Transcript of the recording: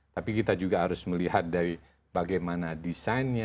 tapi kita juga harus melihat dari bagaimana desainnya bagaimana kondisi produknya